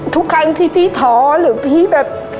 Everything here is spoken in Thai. ทุกครั้งที่พี่ท้อหรือพี่แบบ